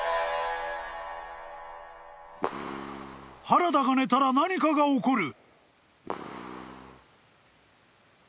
［原田が寝たら何かが起こる］